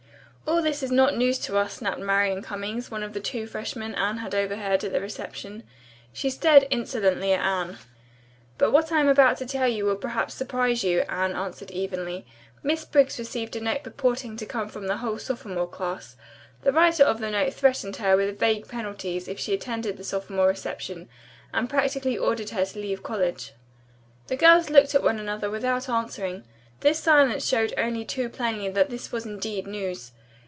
"All this is not news to us," snapped Marian Cummings, one of the two freshmen Anne had overheard at the reception. She stared insolently at Anne. "But what I am about to tell you will perhaps surprise you," Anne answered evenly. "Miss Briggs received a note purporting to come from the whole sophomore class. The writer of the note threatened her with vague penalties if she attended the sophomore reception, and practically ordered her to leave college." The girls looked at one another without answering. This silence showed only too plainly that this was indeed news.